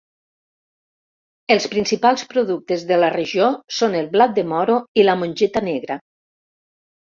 Els principals productes de la regió són el blat de moro i la mongeta negra.